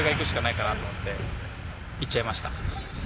いっちゃいました。